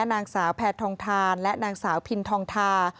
นางสาวแพทองทานและนางสาวพินทองทา